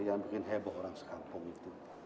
yang bikin heboh orang sekampung itu